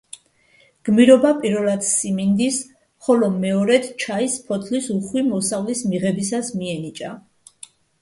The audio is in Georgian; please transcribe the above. გმირობა პირველად სიმინდის, ხოლო მეორედ ჩაის ფოთლის უხვი მოსავლის მიღებისას მიენიჭა.